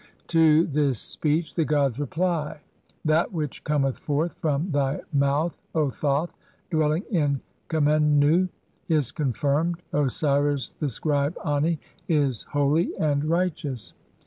To this speech the gods reply : "That which cometh forth "from thy mouth [O Thoth, dwelling in Khemennu,] "is confirmed. Osiris, the scribe Ani, is holy and "righteous.